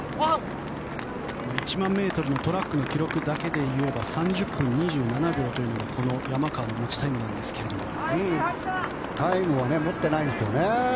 １００００ｍのトラックの記録だけでいうと３０分２７秒というのが山川の持ちタイムなんですがタイムを持っていないんですよね。